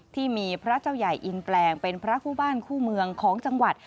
ที่มีพระเจ้าใหญ่อินแปลงเป็นพระคู่บ้านคู่เมืองของจังหวัด